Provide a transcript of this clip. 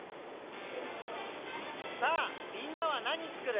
さあみんなは何つくる？